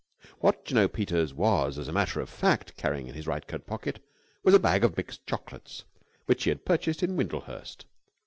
What Jno. Peters was, as a matter of fact, carrying in his right coat pocket was a bag of mixed chocolates which he had purchased in Windlehurst.